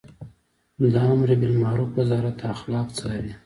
د امربالمعروف وزارت اخلاق څاري